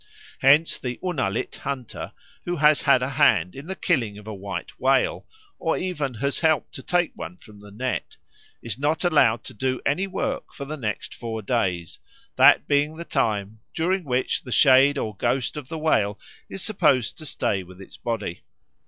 Hence the Unalit hunter who has had a hand in the killing of a white whale, or even has helped to take one from the net, is not allowed to do any work for the next four days, that being the time during which the shade or ghost of the whale is supposed to stay with its body.